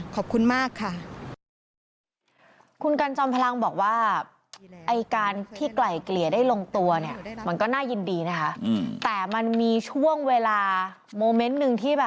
ขอบคุณมากค่ะ